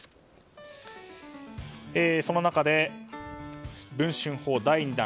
その中で、文春砲第２弾